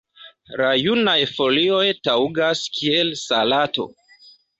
La junaj folioj taŭgas kiel salato.